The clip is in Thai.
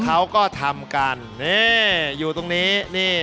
เขาก็ทำกันนี่อยู่ตรงนี้นี่